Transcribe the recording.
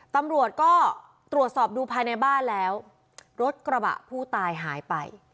ตำรวจก็ตรวจสอบดูภายในบ้านแล้วรถกระบะผู้ตายหายไป